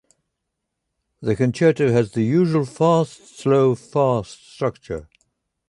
The concerto has the usual fast-slow-fast structure.